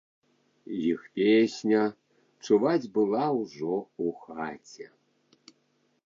Іх песня чуваць была ўжо ў хаце.